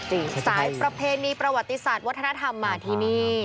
สายประเพณีประวัติศาสตร์วัฒนธรรมมาที่นี่